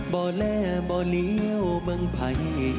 บ่แลบ่เหลี่ยวบังไพย